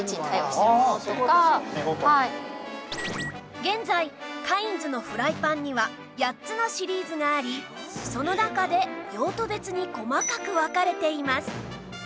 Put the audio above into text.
現在カインズのフライパンには８つのシリーズがありその中で用途別に細かく分かれています